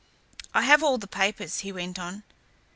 "I have all the papers," he went on.